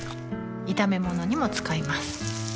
炒め物にも使います